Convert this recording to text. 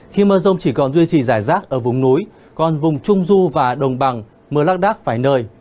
khi mưa rông chỉ còn duy trì giải rác ở vùng núi còn vùng trung du và đồng bằng mưa lác đác vài nơi